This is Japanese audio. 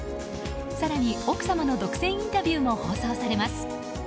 更に、奥様の独占インタビューも放送されます。